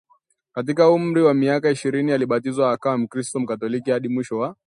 Katika umri wa miaka ishirini alibatizwa akawa Mkristo Mkatoliki hadi mwisho wa